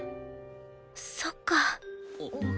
そっか。